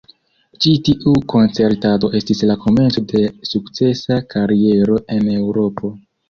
Ĉi tiu koncertado estis la komenco de sukcesa kariero en Eŭropo.